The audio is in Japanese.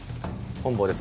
「本坊です。